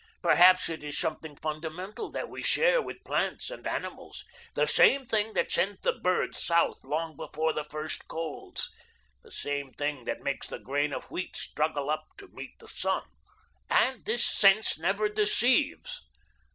Perhaps it is something fundamental that we share with plants and animals. The same thing that sends the birds south long before the first colds, the same thing that makes the grain of wheat struggle up to meet the sun. And this sense never deceives.